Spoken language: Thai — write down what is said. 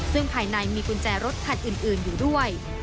ซึ่งภายในมีกุญแจรถคันอื่นอยู่ด้วย